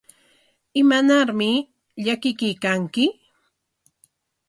¿Imanarmi llakikuykanki?